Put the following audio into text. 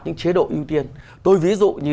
những chế độ ưu tiên tôi ví dụ như